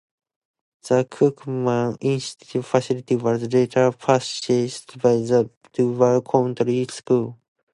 The Cookman Institute facility was later purchased by the Duval County School System.